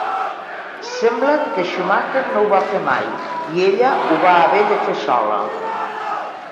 Sembla que Schumacher no ho va fer mai, i ella ho va haver de fer sola.